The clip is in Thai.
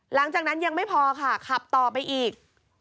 หลังจากนั้นยังไม่พอค่ะขับต่อไปอีก